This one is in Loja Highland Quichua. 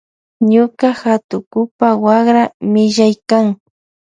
Ñuka hatukupa wakra millaykan.